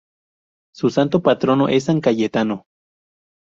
Su santo patrono es San Cayetano.